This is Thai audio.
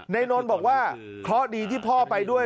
นนท์บอกว่าเคราะห์ดีที่พ่อไปด้วย